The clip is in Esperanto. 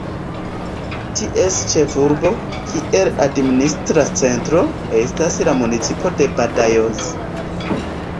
Ties ĉefurbo, kiel administra centro, estas la municipo de Badajoz.